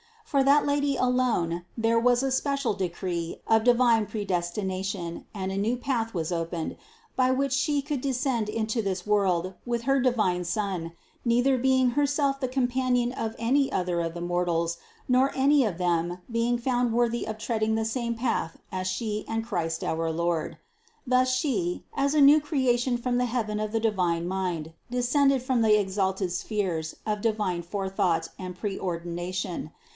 For that Lady alone there was a special decree of divine predestination and a new path was opened, by which She should descend into this world with Her divine Son, neither being Herself the com panion of any other of the mortals, nor any of them being found worthy of treading the same path as She and Christ our Lord. Thus She, as a new creature from the heaven of the divine mind, descended from the ex alted spheres of divine forethought and pre ordination.